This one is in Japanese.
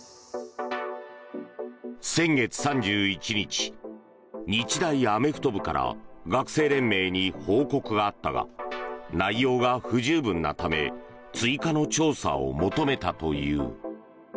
先月３１日日大アメフト部から学生連盟に報告があったが内容が不十分なため追加の調査を求めたという。